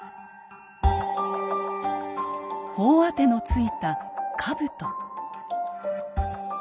頬当のついたかぶと。